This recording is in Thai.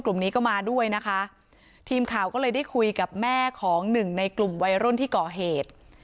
กลุ่มนี้ก็มาด้วยนะคะทีมข่าวก็เลยได้คุยกับแม่ของหนึ่งในกลุ่มวัยรุ่นที่ก่อเหตุ